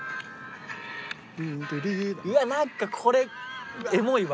うわっ何かこれエモいわ。